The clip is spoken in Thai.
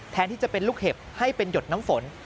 แทนที่จะเป็นลูกเห็บให้เป็นหยดน้ำฝน